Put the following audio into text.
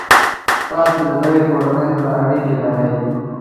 تاسي له دغه کورنۍ سره اړیکي لرئ.